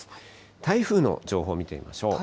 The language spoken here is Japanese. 台風の情報を見てみましょう。